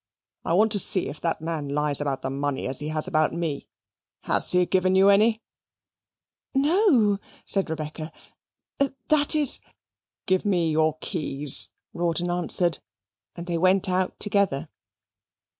"I want to see if that man lies about the money as he has about me. Has he given you any?" "No," said Rebecca, "that is " "Give me your keys," Rawdon answered, and they went out together.